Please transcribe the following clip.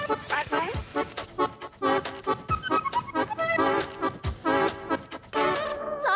โอ๊ะโอ๊ะโอ๊ะ